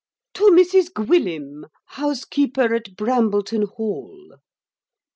To Mrs GWILLIM, house keeper at Brambleton hall.